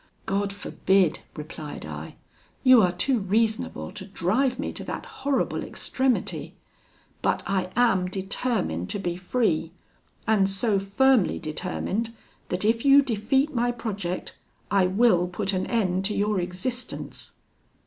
'God forbid,' replied I; 'you are too reasonable to drive me to that horrible extremity: but I am determined to be free, and so firmly determined, that if you defeat my project, I will put an end to your existence.'